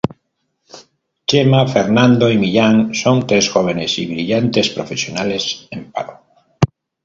Chema, Fernando y Millán son tres jóvenes y brillantes profesionales en paro.